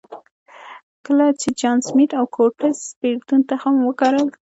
کله چې جان سمېت او کورټس بېلتون تخم وکرل.